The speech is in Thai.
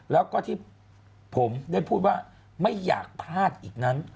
แล้วก็ที่ผมได้พูดว่าไม่อยากพลาดอีกนั้น